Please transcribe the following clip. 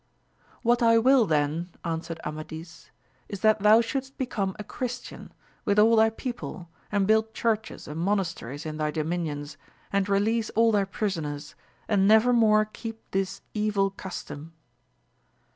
What I will then, answered Amadis, is that thou shouldst become a Christian, with all thy people, and build churches and monasteries in thy dominions, and release all thy prisoners, and never more keep this evU custom.